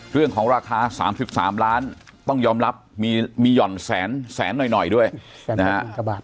เรื่องของราคา๓๓ล้านต้องยอมรับมีหย่อนแสนหน่อยด้วยนะฮะ